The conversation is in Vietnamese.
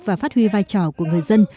và phát huy vai trò của người dân